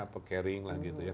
pekering lah gitu ya